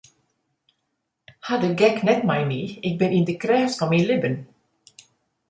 Haw net de gek mei my, ik bin yn de krêft fan myn libben.